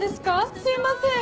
すいません！